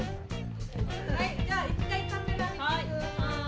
はいじゃあ一回カメラ見てください。